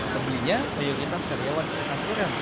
pembelinya mayoritas karyawan akan keren